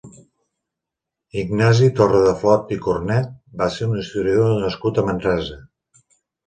Ignasi Torradeflot i Cornet va ser un historiador nascut a Manresa.